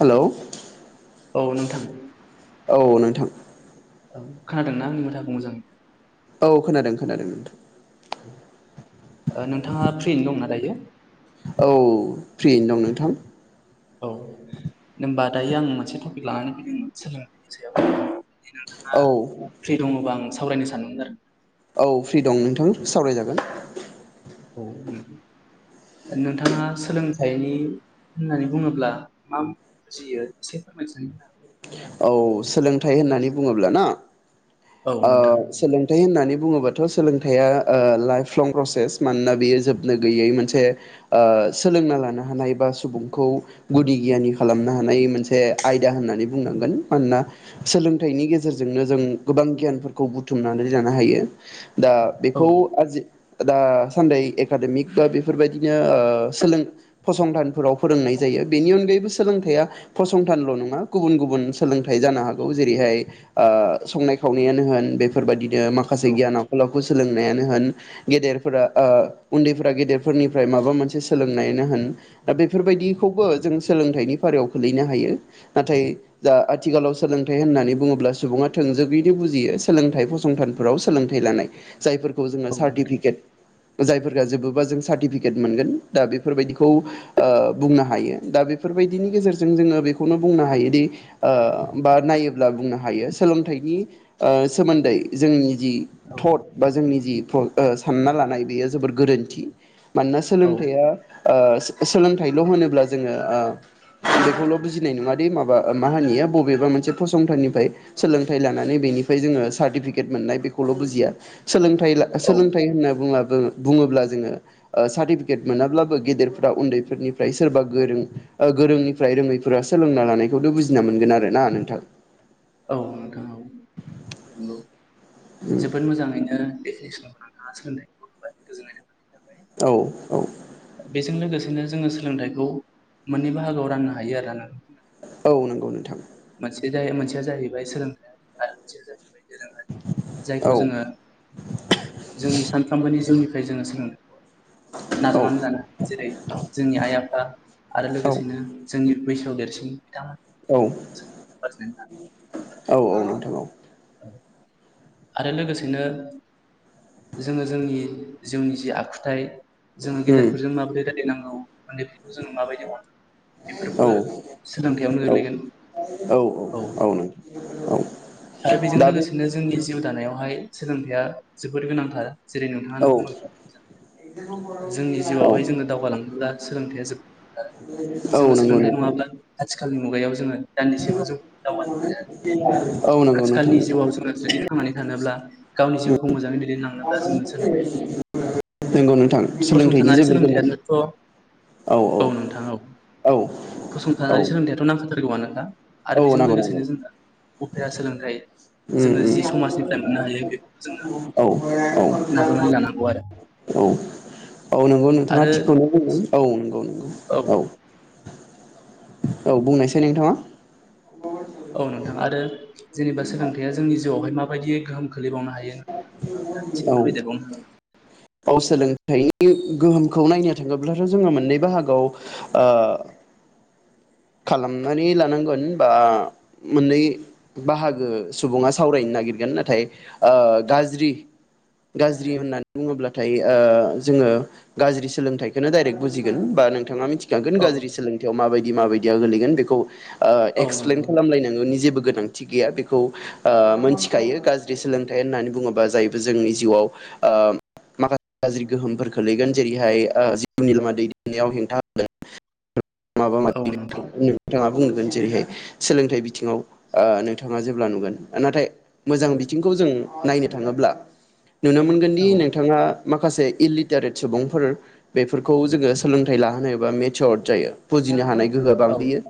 हेल'। औ नोंथां। औ नोंथां। औ खोनादोंना आंनि माथोखौ मोजाङै? औ खोनादों खोनादों नोंथां। ओ नोंथाङा फ्रियैनो दंना दायो? औ फ्रियैनो दं नोंथां। औ होनबा दायो आं मोनसे टपिक लानानै फैदोंमोन सोलोंथायनि सायाव। जुदि नोंथाङा औ फ्रि दङबा आं सावरायनो सानदोंमोन आरो। औ फ्रि दं नोंथां सावरायजागोन। औ नोंथां। नोंथाङा सोलोंथाइनि होननानै बुङोब्ला मा बुजियो एसे फोरमायथिनानै होनो हागोन। औ सोलोंथाइ होननानै बुङोब्ला ना ओ होनो हागोन? सोलोंथाइ होननानै बुङोबाथ' सोलोंथाइया ओ लाइफ लं प्रसेस मानोना बियो जोबनो गैयै मोनसे ओ सोलोंना लानो हानाय बा सुबुंखौ गुदि गियानि खालामनो हानाय मोनसे आयदा होननानै बुंनांगोन मानोना सोलोंथाइनि गेजेरजोंनो जों गोबां गियानफोरखौ बुथुमनानै लानो हायो। दा औ नोंथां बेखौ आजि दा सान्दै एकाडेमिक बा बेफोरबायदिनो ओ सोलों फसंथानफोराव फोरोंनाय जायो। यो बेनि अनगायैबो सोलोंथाइया फसंथानल' नङा। गुबुन गुबुन सोलोंथाइ जानो हागौ जेरैहाय ओ संनाय खावनायानो होन बेफोर बायदि नो माखासे गियान आखल आखु सोलोंनायानो होन, गेदेरफोरा ओ उन्दैफोरा गेदेरफोरनिफ्राय माबा मोनसे सोलोंनायानो होन दा बेफोरबायदिखौबो जों सोलोंथाइनि फारियाव खोलैनो हायो। नाथाय दा आथिखालाव सोलोंथाइ होननानै बुङोब्ला सुबुङा थोंजोङैनो बुजियो सोलोंथाइ फसंथान फोराव सोलोंथाइ लानाय। जायफोरखौ जोङो औ नोंथां सार्टिफिकेट जायफोरा जोबोबा जों सार्टिफिकेट मोनगोन दा बेफोरबायदिखौ ओ बुंनो हायो। दा बे फोरबायदिनि गेजेरजों जोङो बेखौनो बुंनो हायोदि ओ बा नायोब्ला बुंनो हायो सोलोंथाइनि ओ सोमोन्दै जोंनि जि औ थट बा जोंनि जि सानना लानाय बेयो जोबोर गोरोन्थि‌। मानोना सोलोंथाइआ ओ सोलोंथाइल' होनोब्ला जोङो ओ बेखौल' बु जिनाय नङादि माबा मां होनिया बबेबा मोनसे फसंथान निफ्राय सोलोंथाय लानानैनि बेनिफ्राय जोङो सार्टि फिकेट मोननाय बेखौल' बुजिया। सोलोंथाय ला औ सोलोंथाय होनना बुङा ओ बुङोब्ला जोङो ओ सार्टिफिकेट मोनाब्लाबो गेदेरफोरा उन्दैफोरनिफ्राय सोरबा गोरों ओ गोरोंनिफ्राय रोङैफोरा सोलोंना लानायखौनो बुजिना मोनगोन आरो ना नोंथां? औ नोंथां औ नंगौ जोबोद मोजाङैनो [unintelligible] औ औ। बेजों लोगोसेनो जोङो सोलोंथाइखौ मोननै बाहागोआव राननो हायो आरो ना? औ नंगौ नोंथां। जाय मोनसेया जाहैबाय सोलोंथायारि आरो मोनसेया जाहैबाय दोरोङारि। जायखौ औ जोङो जोंनि सानफ्रामबोनि जिउनि फ्राय जोङो सोलोंथायखौ औ नाजावनानै लायो। जेरै जोंनि आइ आफा आरो औ लोगोसेनो जोंनि बैसोआव देरसिन बिथांमोनखौ औ सोलोंथाइखौ आरजिनानै लानो औ औ नोंथां औ। आरो लोगोसेनो जोङो जोंनि जिउनि जि आखुथाय जोङो उम गेदेरफोरजों माबोरै रायलायनांगौ उन्दैफोरखौ जोङो माबायदि अनांगौ औ बेफोरबो सोलोंथायाइयावनो गोगलैगोन औ औ औ आरो बेजों दा बे लोगोसेनो जोंनि जिउ दानायावहाय सोलोंथाइया जोबोद गोनांथार जेरै नोंथाङानो औ बुंलांखाबाय जोंनि औ जिउआवहाय जोङो दावगालांङोब्ला सोलोंथाइया जोबोद औ जोङो नंगौ सोलोंथायाइ नङाब्ला नोंथां आथिखालनि मुगायाव जोङो दान्दिसेबो जोब दावगानो हाया औ नंगौ नोंथां आथिखालनि नंगौ जिउआव जोङो जुदि थांनानै थानोब्ला गावनि जिउखौ मोजाङै दैदेनलांनोबा जों नंगौ नोंथां सोलोंथाइनि फसंथानारि जोबोर गोनां सोलोंथायानोथ' औ नोंथां औ औ औ फसंथानानै सोलोंथायाथ' नांखाथारगौआनो आरो औ बेजों नांगौ नांगौ लोगोसेनो जोंनो उफेरा सोलोंथाइ उम जोङो जि समाजनिफ्राय मोननो हायो बेखौबो जोङो उम औ औ नाजावनानै लानांगौ आरो औ औ नंगौ नोंथाङा थिखौनो आरो बुदों औ नंगौ नंगौ औ औ बुंनायसाय नोंथाङा औ नोंथा आरो जेनेबा सोलोंथाइया जोंनि जिउआवहाय माबायदि गोहोम खोख लैबावनो हायो नोंथां एसे औ फोरमायदेरबावनो हागोन औ सोलोंथाइनि गोहोमखौ नायनो थाङोब्लाथ' जोङो मोननै बाहागआव ओ [inaudible] खालामनानै लानांगोन बा मोननै बाहागो सुबुङा सावरायनो नागिरगोन नाथाय ओ गाज्रि गाज्रि होनना बुङोब्लाथाय ओ जोङो गाज्रि सोलोंथाइखौनो दडाइरेक्ट बुजिगोन बा नोंथाङा मि थिखागोन औ गाज्रि सोलोंथायाव माबायदि माबायदि आ गोग्लैगोन बेखौ औ एक्सप्लेन खालामलायनांगोनि जेबो गोनांथि गैया बेखौ आ मोनथिखायो गाज्रि सोलोंथाइ होननानै बुङोबा जायबो जोंनि जिउआव ओ माखासे गाज्रि गोहोम खोलैगोन जेरैहाय ओ जिउनि लामा दैदेननायाव हेंथा [unintelligible] माबा माबि नोंथां नोंथांङा [unintelligible] जेरैहाय सोलोंथाइ बिथिङाव ओ नोंथाङा जेब्ला नुगोन नाथाय मोजां औ बिथिंखौ जों नायनो थाङोब्ला नुनो नोंथां मोनगोनदि औ नों थाङा माखासे इललिटारेट सुबुंफोर बेफोरखौ जोङो सोलोंथाइ लाहोनो हायोबा मेचर्ड जायो। बुजिनो हानाय गोहो औ बांहोयो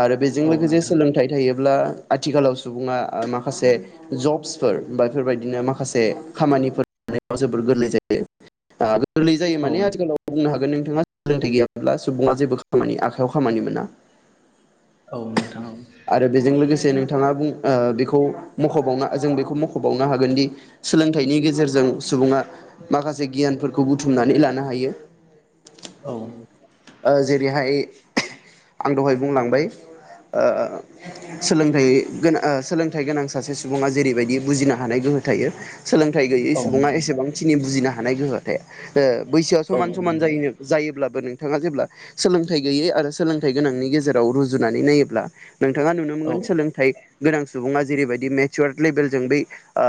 आरो बेजों औ लोगोसे नोंथां सोलोंथाइ थायो ब्ला आथिखालाव सुबुङा माखासे जब्सफोर बा बेफोरबायदिनो माखासे खामानिफोर [inaudible] जोबोर गोरलै जायो गोरलै जायो औ माने आथिखालाव बुंनो हागोन नों थाङा सोलोंथाइ गैयामाब्ला सुबुङा जेबो खामानि आखाइयाव खामानि मोना। औ नोंथां आरो बेजों लोगोसे नोंथाङा बुं ओ बेखौ मख'बावना जों बेखौ मख'बावनो हागोनदि सोलोंथाइनि गेजेरजों सुबुङा माखासे गियानफोरखौ बुथुमनानै लानो हायो औ ओ जेरैहाय आं दहाय बुंलांबाय ओ सोलोंथाइगोनां ओ सोलोंथाइ गोनां सासे सुबुङा जेरैबायदि बुजिनो हानाय गो हो थायो सोलोंथाइ गैयै औ नंगौ सुबुंङा एसेबांखिनि बुजिनो हानाय गोहो थाया ओ बैसोआ समान समान औ जायो जायोब्लाबो नों थाङा जेब्ला सोलोंथाइ गैयै आरो सोलोंथाइ गोनांनि गेजेराव रुजुनानै नायोब्ला नोंथाङा नुनो मोनगोन सोलोंथाइ गोनां सुबुङा जेरैबायदि मेचार लेबेलजों बै ओ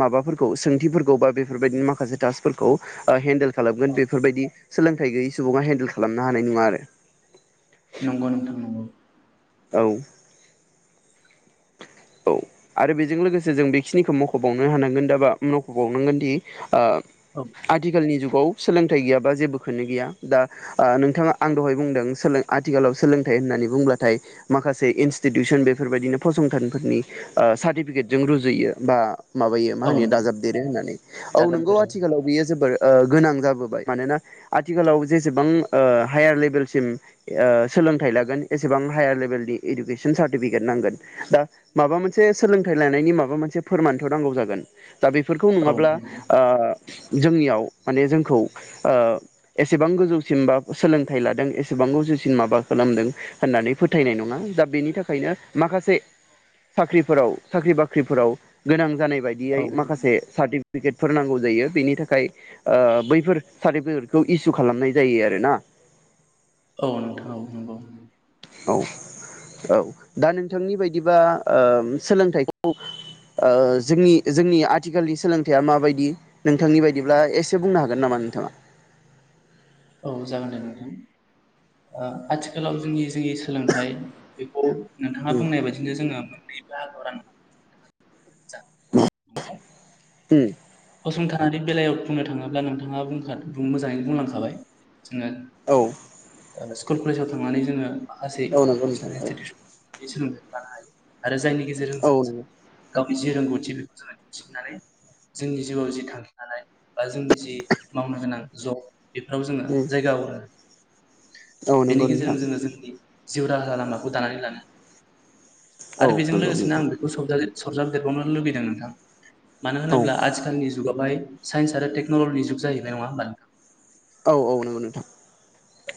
माबाफोरखौ सोंथिफोरखौ बा बेफोरबाय माखासे टासफोरखौ ओ हेन्देल खालामगोन बेफोरबायदि सोलोंथाइ गैयै सुबुङा हेन्देल खालामनो हानाय नङा आरो। नंगौ नोंथां नंगौ औ औ आरो बेजों लोगोसे जों बेखिनिखौ मख'बावनो हानांगोन दा बा मख'बावनांगोन दि ओ औ आथिखालनि जुग आव सोलोंथाइ गैयाबा जेबोखोनो गैया दा ओ नोंथाङा आं दहाय बुंदों सोलो आथिखालाव सोलोंथाइ होननानै बुंब्लाथाय माखासे इनस्टिउसन बेफोरबायदिनो फसंथान फोरनि ओ सार्टिफिकेटजों रुजुयो बा माबायो मा औ होनो दाजाब देरो होननानै औ जागोन नोंगौ दे आथिखालाव बेयो जोबोर ओ गोनां जाबोबाय मानोना आथिखालाव जेसेबां ओ हायार लेभेलसिम ओ सोलोंथाइ लागोन एसेबां हायार लेभेलनि इडुकेसन सार्टिफिकेट नां गोन बा माबा मोनसे सोलोंथाइ लानायनि माबा मोनसे फोरमानथ' नांगौ जागोन। दा बेफोरखौ औ नङाब्ला ओ जोंनियाव माने जोंखौ ओ एसेबां गोजौसिम बा सोलोंथाइ लादों एसेबां जौसिन माबा खालामदों होन्नानै फोथायनाय नङा दा बेनि थाखायनो माखासे [unintelligible] साख्रिफोराव साख्रि बाख्रिफोराव गोनां जानाय बायदियै औ माखासे सार्टि फिकेटफोर नांगौ जायो बेनि थाखाय ओ बैफोर सार्टिफिकेटखौ इसु खालामनाय जायो आरोना। औ नोंथां औ नंगौ औ औ दा नोंथांनि बायदिबा ओ सोलोंथाइखौ ओ जोंनि जोंनि आथिखालनि सोलोंथाइया माबायदि नोंथांनि बायदिब्ला एसे बुंनो हागोन नामा नोंथाङा? औ जागोन दे नोंथां ओ आथिखालाव जोंनि जे सोलोंथाइ बेखौ नोंथाङा उम बुंनाय बायदिनो जोङो मोननै बाहागोआव राननो [inaudible] उम फसंथानारि बेलायाव बुंनो थाङोब्ला नोंथाङा बुखा बुं मोजाङैनो बुंलांखाबाय जोङो औ स्कुल कलेजाव थांनानै जोङो माखासे औ नंगौ नोंथां इडुकेसनेल औ इटिटिउस [inaudible] लानो हायो आरो जायनि गेजेरजों औ जों नंगौ गावनि जि रोंगौथि बेखौ जोङो दिन्थिनानै जोंनि जिउआव जि थांखि लानाय बा जोंनि जि मावनो गोनां जब बेफोराव जोङो उम जायगा मोनो औ बेनि नंगौ गेजेरजों नोंथां जोङो जोंनि जिउ राहा लामाखौ दानानै लानो आरो औ बेजों नंगौ लोगोसेनो नोंथां सरजाबदेरबावनो लुुबैदों नोंथां मानो औ होनोब्ला आथिखालनि जुगावहाय साइन्स आरो टेकनलजिनि जुग जाहैनाय नङा होमबा नोंथां औ औ नोंगौ नोंथां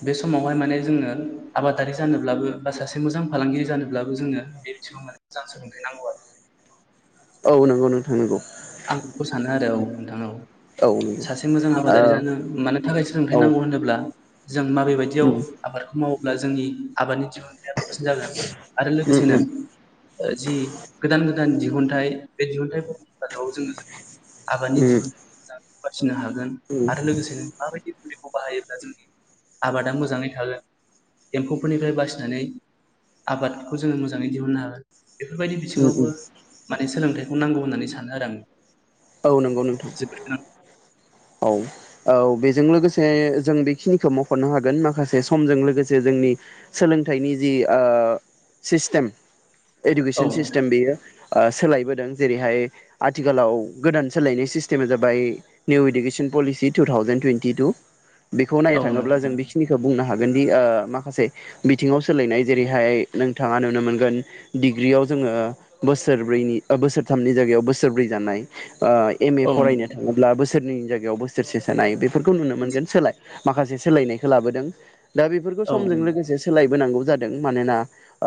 बे समावहाय माने जोङो आबादारि जानोब्लाबो बा सासे मोजां फालांगिरि जानोब्लाबो जोङो बेथिबां मोजां सोलोंथाइ नांगौ आरो ओ नोंगौ नोंथां नोंगौ आं बेखौ सानो आरो औ नोंथां औ औ नंगौ सासे मोजां ओ आबादारि जानो मानो थाखाय औ सोलोंथाइ नांगौ होनोब्ला जों माबे बादियाव उम आबादखौ मावोब्ला जोंनि आबादनि दिहुनथाया बांसिन जागोन आरो उम लोगोसेनो उम जि गोदान गोदान दिहुनथाइ बे दिहुनथाइफोर हेफाजाबाव जोङो जोंनि आबादनि उम दिहुनथाइखौ मोजां फिनो हागोन उम आरो लोगोसेनो माबायदि बाहायोब्ला जोंनि आबादा मोजाङै थागोन एम्फौफोरनिफ्राय बासिनानै आबादखौ जोङो मोजाङै दिहुननो हागोन बेफोरबायदि उम बिथिङावबो उम माने सोलोंथाइखौ नांगौ होननानै सानो आरो आं औ नंगौ नोंथां जोबोद गोनां औ औ बेजों लोगोसे जों बेखिनिखौ मख'नो हागोन माखासे समजों लोगोसे जों जोंनि सोलोंथाइनि जि ओ सिस्टेम औ एडुकेसन सिस्टम बेयो ओ सोलायबोदों जेरैहाय आथिखालाव गोदान सोलायनाय सिस्टेमा जाबाय new education policy two thousand twenty two बेखौ नायनो औ थाङोब्ला नोंथां जों औ बेखिनिखौ बुंनो हागोन दि ओ माखासे बिथिङाव सोलायनाय जेरैहाय नोंथाङा नुनो मोनगोन डिग्रियाव जों ओ बोसोरब्रैनि औ बोसोरथामनि जायगायाव बोसोरब्रै जानाय ओ एम ए औ फरायनो थाङोब्ला बोसोरनै जायगायाव बोसोरसे जानाय बेफोरखौ नुनो मोनगोन सोलाय माखासे सोलायनायखौ लाबोदों। दा बेफोरखौ औ समजों लोगोसे सोलाय बोनांगौ जादों, मानोना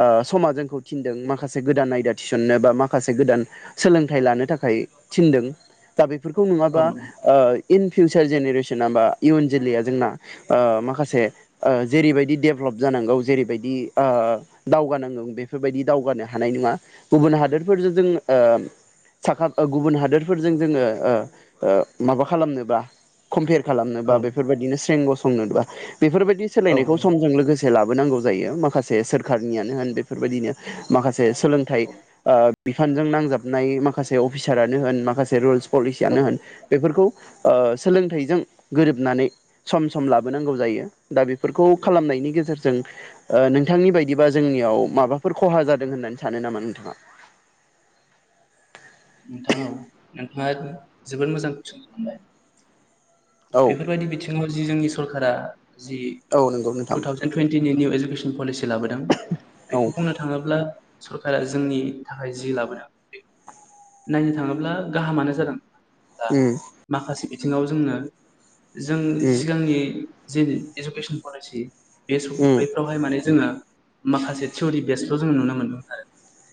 ओ समा जोंखौ थिनदों माखासे गोदान आयदा थिसननो बा माखासे गोदान सोलोंथाइ लानो थाखाय थिनदों दा बेफोरखौ औ नङाबा ओ इन फिउचार जेनेरेसना बा इयुन जोलैया जोंना ओ माखासे ओ जेरैबायदि देभेलप जानांगौ जेरैबादि ओ दावगानांगौ बेफोरबायदि दावगानो हानाय नङा गुबुन हादोरफोरजों जों ओ साखा गुबुन हादोरफोरजों जोङो ओ ओ माबा खालामनोबा कमपेयार खालामनोबा बेफोरबायदिनो स्रें गसंनोबा बेफोरबायदि सोलायनायखौ समजों लोगोसे ला बोनांगौ जायो माखासे सोरखारनियनो होन बेफोरबायदिनो माखासे सोलोंथाय ओ बिफानजों नांजाबनाय माखासे अफिसारानो होन माखासे रुल्स औ पलिसियानो होन बेफोरखौ ओ सोलोंथाइजों गोरोबनानै सम सम लाबोनांगौ जायो दा बेफोर खौ खालामनायनि गेजेरजों ओ नोंथांनि बायदिबा जोंनियाव माबाफोर खहा जादों होननानै सानो नामा नामा नोंथाङा? [inaudible] [unintelligible] नोंथां औ नोंथाङा जोबोद मोजां कुइसन खालामबाय औ बेफोरबायदि बिथिङाव जि जोंनि सरकारा जि औ नंगौ नोंथां। टु थावजेेन टुइन्टिनि निउ इडुकेसन पलिसि लाबोदों औ बेखौ बुंनो थाङोब्ला सरकारा जोंनि थाखाय जि लाबोदों बे नायनो थाङोब्ला गाहामानो जादों दा उम माखासे बिथिङाव जोंनो जों उम सिगांनि जि इडुकेसन पलिसि बे स उम बेफ्रावहाय माने जोङो माखासे थिउरि बेसखौ' जोङो नुनो मोनदों आरो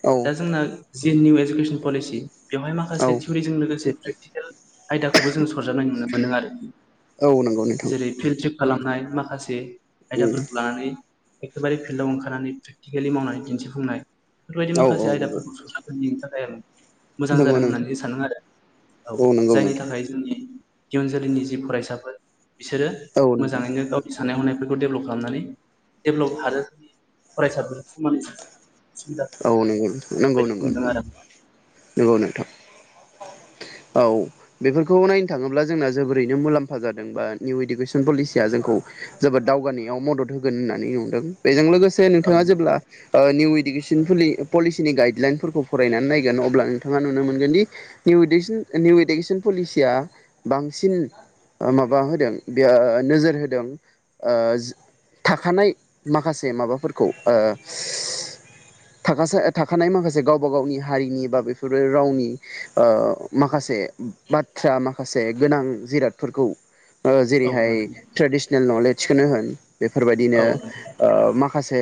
औ दा जोंना जि निउ इडुकेसन पलिसि बेवहाय औ माखासे थिउरिजों लोगोसे दिजिटेल आयदाखौबो जोङो सरजाबनाय नुनो मोनदों आरो औ नंगौ नोंथां जेरै फिल्ड ट्रिप खालामनाय माखासे उम आयदाफोरखौ लानानै एखेबारे फिल्डआव ओंखारनानै प्रेकटिकेलि मावनानै दिन्थिफुंनाय बेफोरबायदि औ माखासे औ आयदाफोरखौ [unintelligible] मोजां जादों नंगौ नंगौ होननानै नोंथां सानो आरो औ नंगौ जायनि नोंथां थाखाय जोंनि इयुन जोलैनि जि फरायसाफोर बिसोरो औ नंगौ मोजाङैनो गावनि साननाय हनाय बेखौ डेभेलप खालामनानै डेभेलप हादोरनि फरायसाफोरजों समानै सुबिदा औ नंगौ नोंथां नंगौ बायदि नंगौ नंगौ मोनदों आरो नंगौ नोंथां औ बेफोरखौ नायनो थाङोब्ला जोंना जोबोरैनो मुलाम्फा जादों बा निउ इडुकेसन पलिसिया जोंखौ जोबोद दावगानायाव मदद होगोन होननानै नुदों, बेजों लोगोसे औ नोंथाङा जेब्ला निउ इडुकेसन पलिसिनि गाइडलाइनफोरखौ फरायनानै नायगोन अब्ला नोंथाङा नुनो मोनगोन दि निउ इडुसिन निउ इडुकेसन पलिसिया बांसिन माबा होदों बे नोजोर होदों ओ थाखानाय माखासे माबाफोरखौ ओ थाखासे थाखानाय माखासे गावबा गावनि हारिनि बा बेफोर रावनि ओ माखासे बाथ्रा माखासे गोनां जिरादफोरखौ औ जेरैहाय नोंथां ट्रेडिसनेल नलेजखौनो होन बेफोरबायदिनो औ नोंथां ओ माखासे माखासे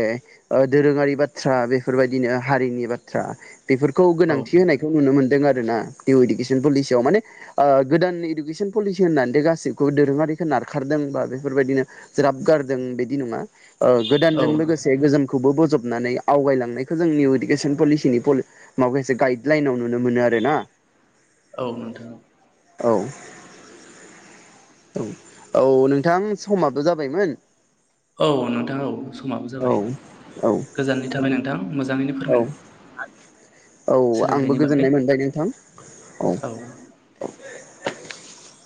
दोरोङारि बाथ्रा बेफोरबायदिनो हारिनि बाथ्रा बेफोरखौ औ गोनांथि होनायखौ नुनो मोनदों आरो ना निउ इडुकेसन पलिसियाव माने ओ गोदान इडुकेसन पलिसि होननानै दे गासिखौबो दोरोङारिखौ नारखारदों बा बेफोरबायदिनो ज्राब गारदों बिदि नङा ओ गोदानजों नोंथां लोगोसे गोजोमखौबो बजबनानै आवगायलांनाय बेखौ जों निउ इडुकेसन पलिसिनि माखासे गाइदलाइनाव नुनो मोनो आरोना। औ नोंथां औ औ। औ औ नोंथां समाबो जाबायमोन। औ नोंथां औ समाबो औ जाबाय औ गोजोननाय थाबाय नोंथां मोजाङैनो। औ। फोरमायना औ आंबो सोलोंथाइनि बागै गोजोननाय मोनबाय नोंथां औ औ। [inaudible]